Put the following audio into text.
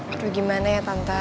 aduh gimana ya tante